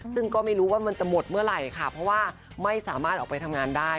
ซึ่งก็ไม่รู้ว่ามันจะหมดเมื่อไหร่ค่ะเพราะว่าไม่สามารถออกไปทำงานได้